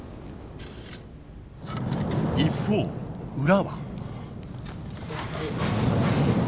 一方裏は。